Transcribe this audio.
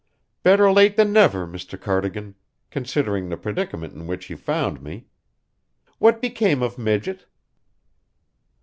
"Better late than never, Mr. Cardigan, considering the predicament in which you found me. What became of Midget?"